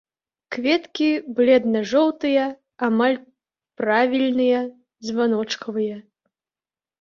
Кветкі бледна-жоўтыя, амаль правільныя, званочкавыя.